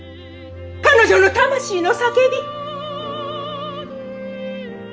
彼女の魂の叫び！